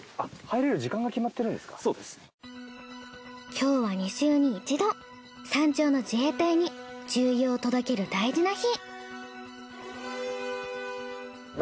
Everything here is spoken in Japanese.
今日は２週に一度山頂の自衛隊に重油を届ける大事な日。